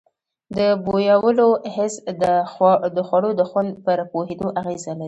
د بویولو حس د خوړو د خوند پر پوهېدو اغیز لري.